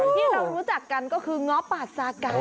ที่เรารู้จักกันก็คือง้อปาดซาไก่